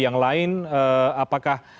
yang lain apakah